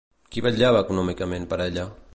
Qui vetllava econòmicament per ella?